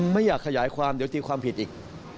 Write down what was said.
ไม่อยากขยายความเดี๋ยวตีความผิดอีก